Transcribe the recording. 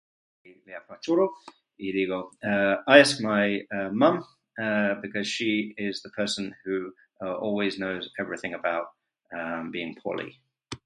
[unintelligible] I ask my mom, because she is the person who always knows everything about being [unclear|pulley].